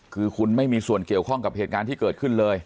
คือคุณไม่มีส่วนเกี่ยวข้องกับเหตุการณ์ที่เกิดขึ้นเลย